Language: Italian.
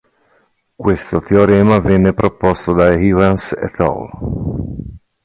Questo teorema venne proposto da Evans et al.